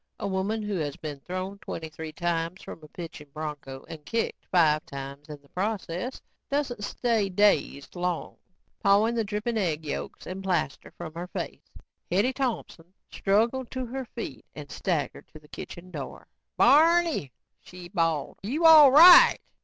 A woman who has been thrown twenty three times from a pitching bronco and kicked five times in the process, doesn't stay dazed long. Pawing dripping egg yokes and plaster from her face, Hetty Thompson struggled to her feet and staggered to the kitchen door. "Barneeey," she bawled, "you all right?"